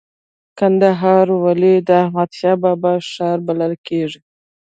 کندهار ولې د احمد شاه بابا ښار بلل کیږي؟